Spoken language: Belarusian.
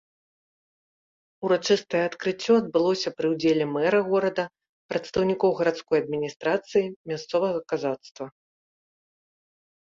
Урачыстае адкрыццё адбылося пры ўдзеле мэра горада, прадстаўнікоў гарадской адміністрацыі, мясцовага казацтва.